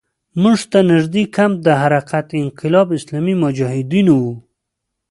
موږ ته نږدې کمپ د حرکت انقلاب اسلامي مجاهدینو وو.